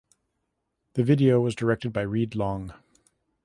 The video was directed by Reid Long.